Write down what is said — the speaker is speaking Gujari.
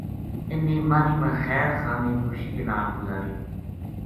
اِنھ نے ماہلی ما خیر خرامی خوشی کے نال گزاری